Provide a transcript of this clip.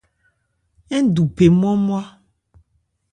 Ńdu phe nmwa-nmwa.